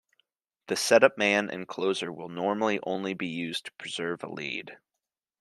The setup man and closer will normally only be used to preserve a lead.